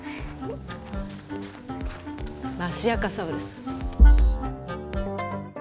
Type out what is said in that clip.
マシアカサウルス。